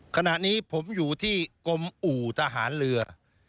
ขณะนี้ผมอยู่ที่กรมอู่ทหารเรือ